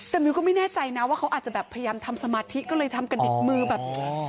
แต่มิวก็ไม่แน่ใจนะว่าเขาอาจจะแบบพยายามทำสมาธิก็เลยทำกระดิกมือแบบ